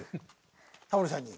タモリさんに？